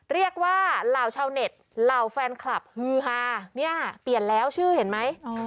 เหล่าชาวเน็ตเหล่าแฟนคลับฮือฮาเนี่ยเปลี่ยนแล้วชื่อเห็นไหม